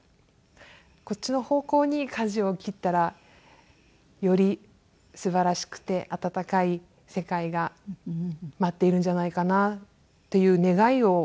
こっちの方向にかじを切ったらよりすばらしくて温かい世界が待っているんじゃないかなっていう願いを込めて。